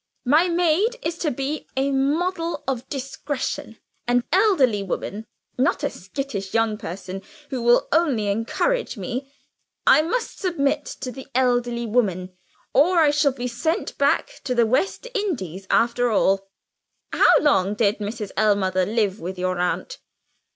My maid is to be a model of discretion an elderly woman, not a skittish young person who will only encourage me. I must submit to the elderly woman, or I shall be sent back to the West Indies after all. How long did Mrs. Ellmother live with your aunt?"